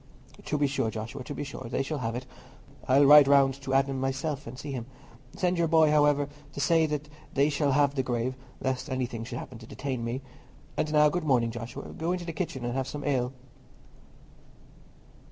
"To be sure, Joshua, to be sure, they shall have it. I'll ride round to Adam myself, and see him. Send your boy, however, to say they shall have the grave, lest anything should happen to detain me. And now, good morning, Joshua; go into the kitchen and have some ale."